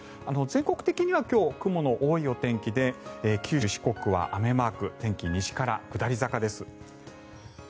全国的には今日、雲の多いお天気で九州、四国は雨マーク天気、西から下り坂です。